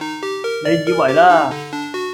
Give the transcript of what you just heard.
你以為啦！